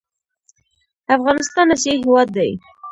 افغانستان اسیایي هېواد دی.